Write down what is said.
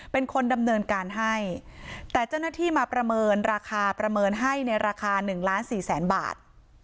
เป็นคนดำเนินการให้แต่เจ้าหน้าที่มาประเมินราคาประเมินให้ในราคา๑ล้านสี่แสนบาท